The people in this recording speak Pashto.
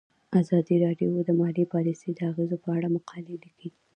ازادي راډیو د مالي پالیسي د اغیزو په اړه مقالو لیکلي.